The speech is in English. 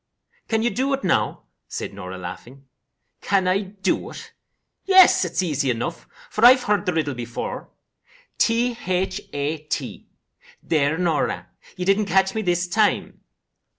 "CAN you do it now?" said Norah, laughing. "Can I do it? Yes, easy enough, for I've heard the riddle before. T h a t. There, Norah, you didn't catch me this time."